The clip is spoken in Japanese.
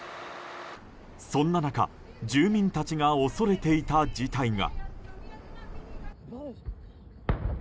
そんな中住民たちが恐れていた事態が。